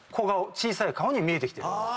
小さい顔に見えてきてる。